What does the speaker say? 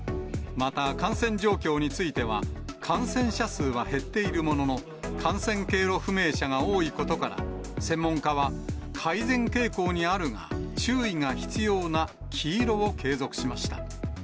また感染状況については、感染者数は減っているものの、感染経路不明者が多いことから、専門家は、改善傾向にあるが注意が必要な黄色を継続しました。